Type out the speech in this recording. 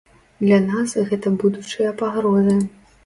Для нас гэта будучыя пагрозы.